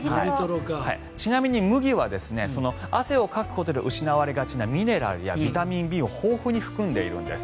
ちなみに麦は汗をかくことで失いがちなミネラルやビタミンＢを豊富に含んでいるんです。